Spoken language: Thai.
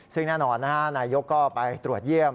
ซึ่งแน่นอนนายกก็ไปตรวจเยี่ยม